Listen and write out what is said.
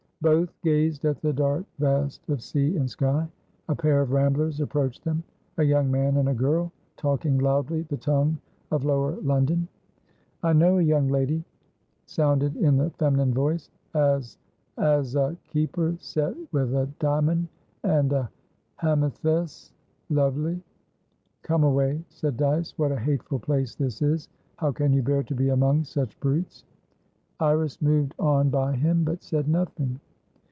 Both gazed at the dark vast of sea and sky. A pair of ramblers approached them; a young man and a girl, talking loudly the tongue of lower London. "I know a young lady," sounded in the feminine voice, "as 'as a keeper set with a di'mond and a hamethyslovely!" "Come away," said Dyce. "What a hateful place this is! How can you bear to be among such brutes?" Iris moved on by him, but said nothing.